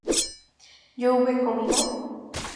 ¿yo hube comido?